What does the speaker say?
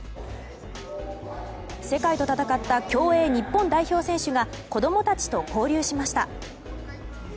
世界と戦った競泳日本代表選手が子供たちと交流しました。